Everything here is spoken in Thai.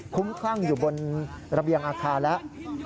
คุ้มคลั่งอยู่บนระเบียงอาคารแล้ว